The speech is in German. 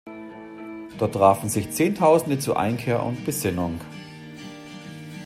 Dort trafen sich Zehntausende zu Einkehr und Besinnung.